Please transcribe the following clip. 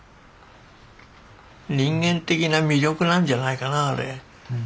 人間的な魅力なんじゃないかなあれ。